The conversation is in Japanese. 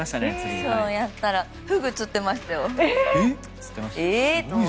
やったらフグを釣ってましたよ。